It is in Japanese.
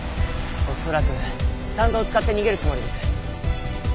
恐らく山道を使って逃げるつもりです。